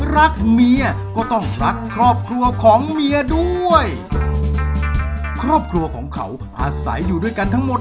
รักเมียก็ต้องรักครอบครัวของเมียด้วย